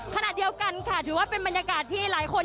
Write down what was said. ขณะเดียวกันค่ะถือว่าเป็นบรรยากาศที่หลายคน